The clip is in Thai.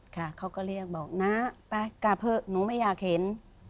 ค่ะเขาก็เรียกบอกน้าไปกลับเถอะหนูไม่อยากเห็น